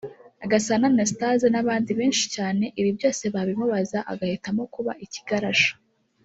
Gasana Anastase n’abandi benshi cyane … Ibi byose babimubaza agahitamo kuba ikigarasha